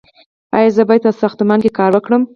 ایا زه باید په ساختمان کې کار وکړم؟